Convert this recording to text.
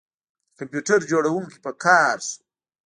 د کمپیوټر جوړونکي په قهر شو